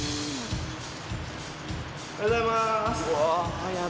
おはようございます。